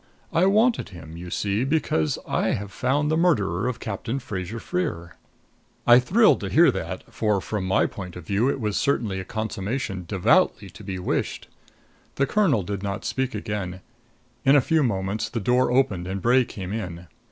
I wanted him, you see, because I have found the murderer of Captain Fraser Freer." I thrilled to hear that, for from my point of view it was certainly a consummation devoutly to be wished. The colonel did not speak again. In a few minutes the door opened and Bray came in.